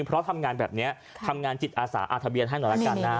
เพราะทำงานแบบนี้ทำงานจิตอาสาอาทะเบียนให้หน่อยละกันนะ